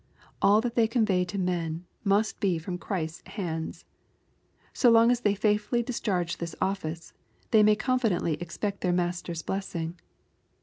All that they con vey to men, must be from Christ's hands. So long as they faithfully discharge this office, they may confident ly expect their Master's blessing.